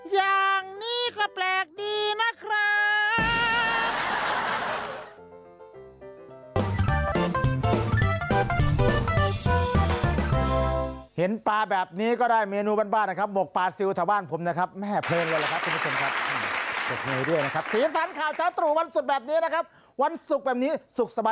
อย่างนี้ก็แปลกดีนะครับ